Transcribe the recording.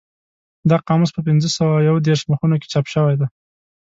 دا قاموس په پینځه سوه یو دېرش مخونو کې چاپ شوی دی.